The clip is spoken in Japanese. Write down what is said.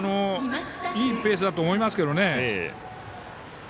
いいペースだと思いますけどね。